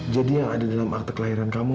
jadi yang ada dalam akte kelahiran kamu